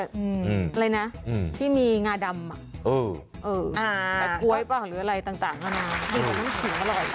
อะไรนะที่มีงาดำแบบก๊วยหรืออะไรต่างก็น้ำขิงอร่อย